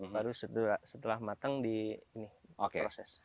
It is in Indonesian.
baru setelah matang di proses